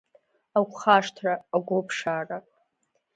Агәхашҭра, агәыԥшаара…